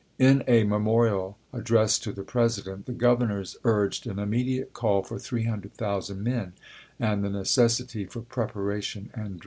In a memorial addressed to the President the governors urged an immediate call for 300,000 men and the necessity for preparation and drill.